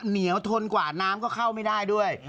เหนียวทนกว่าน้ำก็เข้าไม่ได้ด้วย